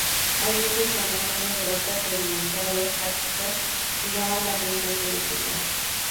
Hay muchas formaciones de rocas sedimentarias kársticas que llaman la atención turística.